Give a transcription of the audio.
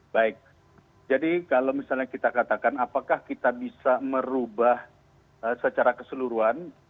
baik jadi kalau misalnya kita katakan apakah kita bisa merubah secara keseluruhan